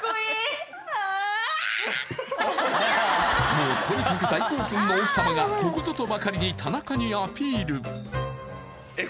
もうとにかく大興奮の奥様がここぞとばかりにえっ